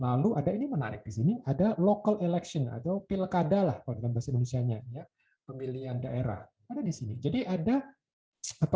lalu ada ini menarik di sini ada local election atau pilkada lah pemilihan daerah jadi ada apa